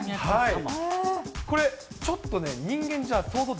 これ、ちょっとね、人間じゃ特技？